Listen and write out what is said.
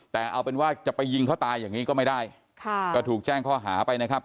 แต่เอาเป็นว่าจะไปยิงเขาตายอย่างนี้ก็ไม่ได้ค่ะก็ถูกแจ้งข้อหาไปนะครับ